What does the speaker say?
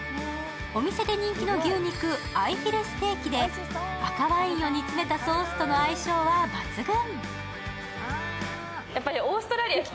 お店で人気の牛肉アイフィレステーキで赤ワインを煮詰めたソースとの相性は抜群。